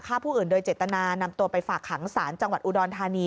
ฆ่าผู้อื่นโดยเจตนานำตัวไปฝากขังศาลจังหวัดอุดรธานี